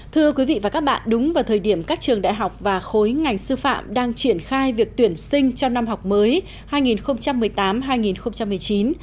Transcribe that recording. thưa quý vị và các bạn đúng vào thời điểm các trường đại học và khối ngành sư phạm đang triển khai việc tuyển sinh cho năm học mới hai nghìn một mươi tám hai nghìn một mươi chín